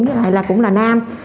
với lại là cũng là nam